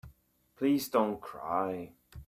Please don't cry.